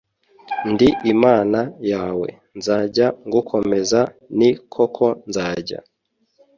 Ndi imana yawe nzajya ngukomeza ni koko nzajya